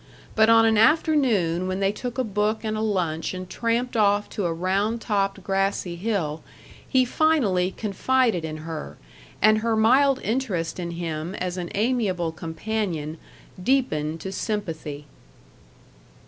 But on an afternoon when they took a book and a lunch and tramped off to a round topped, grassy hill, he finally confided in her, and her mild interest in him as an amiable companion deepened to sympathy.